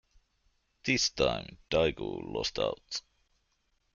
This time, Daegu lost out.